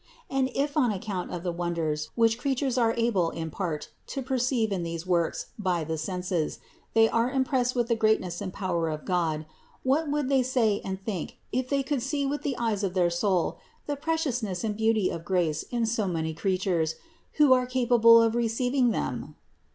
And if on account of the wonders which creatures are able in part to perceive in these works by the senses, they are impressed with the greatness and power of God, what would they say and think if they could see with the eyes of their soul the preciousness and beauty of grace in so many creatures, who are capable of receiving them?